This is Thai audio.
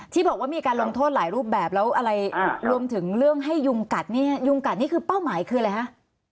ที่บอกว่ามีการลงโทษหลายรูปแบบแล้วอะไรรวมถึงเรื่องให้ยุงกัดเนี่ยยุงกัดนี่คือเป้าหมายคืออะไรฮะ